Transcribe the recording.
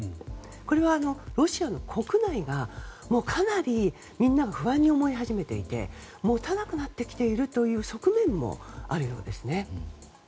これはロシアの国内がかなりみんな不安に思い始めていてもたなくなってきているという側面もあるようですね。